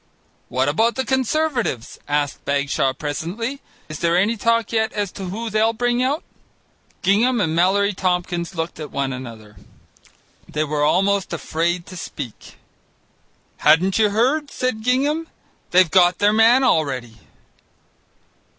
"What about the Conservatives?" asked Bagshaw presently; "is there any talk yet as to who they'll bring out?" Gingham and Mallory Tompkins looked at one another. They were almost afraid to speak. "Hadn't you heard?" said Gingham; "they've got their man already."